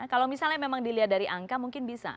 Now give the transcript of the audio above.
kalau misalnya memang dilihat dari angka mungkin bisa